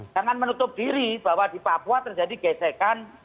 jangan menutup diri bahwa di papua terjadi gesekan